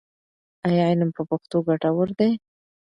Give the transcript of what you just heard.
ایا علم په پښتو ګټور دی؟